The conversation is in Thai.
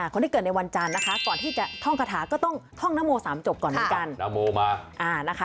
คนที่เกิดในวันจันทร์นะคะก่อนที่จะท่องคาถาก็ต้องท่องนโม๓จบก่อนกัน